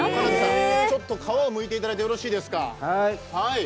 ちょっと皮をむいていただいてよろしいですか。